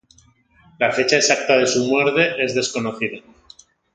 La fecha exacta de su muerte es desconocida.